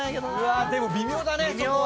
でも微妙だねそこは。